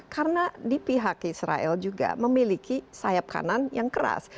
karena di pihak israel juga memiliki sayap kanan yang keras